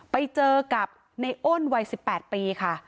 ไปเจอกับเนโอนวัยสิบแปดปีค่ะ